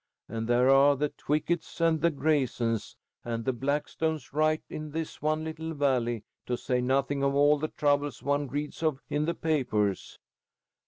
And there are the Twicketts and the Graysons and the Blackstones right in this one little valley, to say nothing of all the troubles one reads of in the papers."